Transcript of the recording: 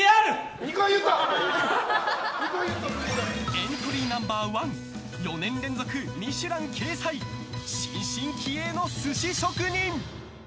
エントリーナンバー１４年連続「ミシュラン」掲載新進気鋭の寿司職人。